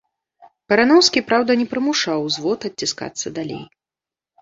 Бараноўскі, праўда, не прымушаў ўзвод адціскацца далей.